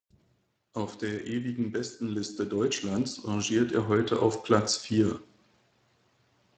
Auf der ewigen Bestenliste Deutschlands rangiert er heute auf Platz vier.